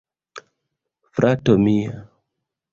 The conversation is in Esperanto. Frato mia..